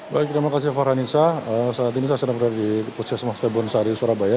baik terima kasih farhan isha saat ini saya sedang berada di pusat masjid bonsari surabaya